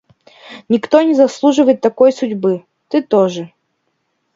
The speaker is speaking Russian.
Никто не заслуживает такой судьбы. Ты тоже.